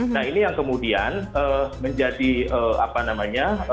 nah ini yang kemudian menjadi apa namanya